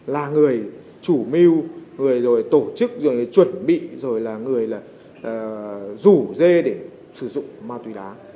là người chủ mưu người rồi tổ chức rồi chuẩn bị rồi là người rủ dê để sử dụng ma túy đá